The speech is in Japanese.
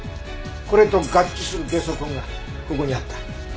これと合致するゲソ痕がここにあった。